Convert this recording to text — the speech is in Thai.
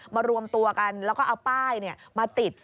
รวมตัวกันแล้วก็เอาป้ายมาติด